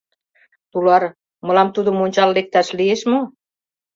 — Тулар, мылам тудым ончал лекташ лиеш мо?